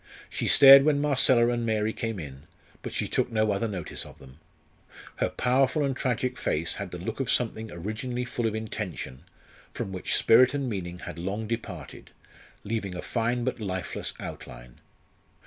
She stared when Marcella and Mary came in, but she took no other notice of them. Her powerful and tragic face had the look of something originally full of intention, from which spirit and meaning had long departed, leaving a fine but lifeless outline.